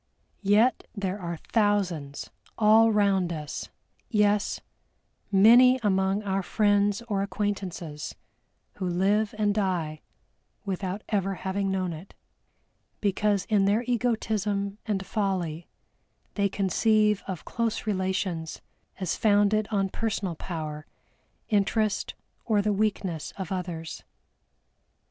Yet there are thousands all round us, yes, many among our friends or acquaintances, who live and die without ever having known it, because in their egotism and folly they conceive of close relations as founded on personal power, interest or the weakness of others.